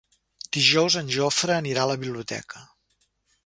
Dijous en Jofre anirà a la biblioteca.